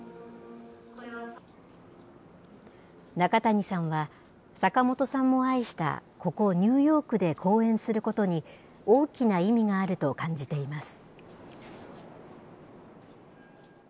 中谷さんは、坂本さんも愛したここ、ニューヨークで公演することに、大きな意味があると感じています。